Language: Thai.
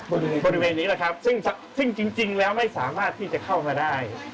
บริเวณนี้แหละครับซึ่งจริงแล้วไม่สามารถที่จะเข้ามาได้